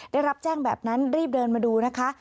ได้รับแจ้งแบบนั้นรีบเดินมาดูนะคะ